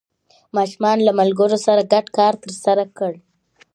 ماشوم له ملګرو سره ګډ کار ترسره کړ